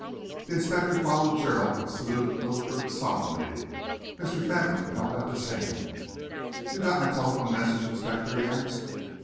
The inspector followed Gerald and saluted the little group solemnly. Mr. Fentolin held out his hand. "You got my telephone message, inspector?" he asked.